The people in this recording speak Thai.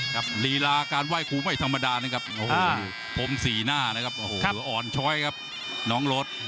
ลีลาการไหว้ครูไม่ธรรมดานะครับโอ้โหพรมสีหน้านะครับโอ้โหอ่อนช้อยครับน้องรถ